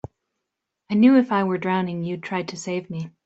I knew if I were drowning you'd try to save me.